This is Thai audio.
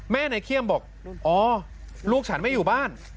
ในเขี้ยมบอกอ๋อลูกฉันไม่อยู่บ้าน